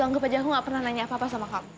anggap aja aku gak pernah nanya apa apa sama kamu